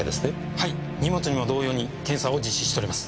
はい荷物にも同様に検査を実施しております。